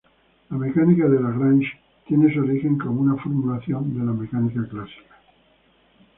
La mecánica de Lagrange tiene su origen como una formulación de la mecánica clásica.